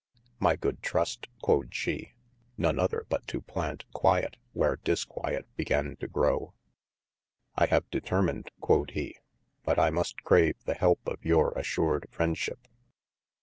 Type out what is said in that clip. My good Trust (quod she) none other but to plant quiet where disquiet began to grow. I have determined (quod he) but I must crave the helpe of your assured friendship.